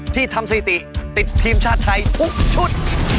ที่ทำสถิติติดทีมชาติไทยทุกชุด